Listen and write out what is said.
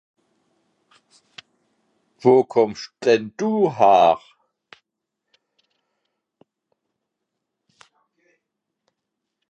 Wo kùmmsch denn dü häre?